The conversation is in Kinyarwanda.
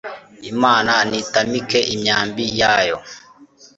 Imana nitamike imyambi yayo